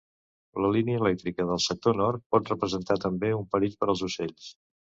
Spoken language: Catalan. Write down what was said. La línia elèctrica del sector nord pot representar també un perill per als ocells.